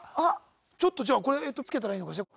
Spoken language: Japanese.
ちょっとじゃあこれえとつけたらいいのかしら？